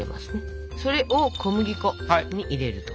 それを小麦粉に入れると。